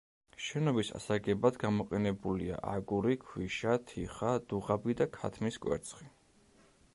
შენობის ასაგებად გამოყენებულია, აგური, ქვიშა, თიხა, დუღაბი და ქათმის კვერცხი.